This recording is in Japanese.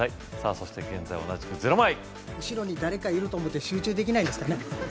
そして現在同じく０枚後ろに誰かいると思て集中できないんですかね